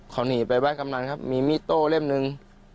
เขาหนีไปไห้กำนันครับมีมีดโต้เล่มหนึ่ง